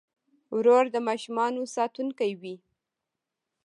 ورور د ماشومانو ساتونکی وي.